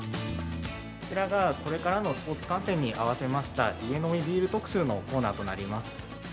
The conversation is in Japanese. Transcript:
こちらがこれからのスポーツ観戦に合わせました、家飲みビール特集のコーナーとなります。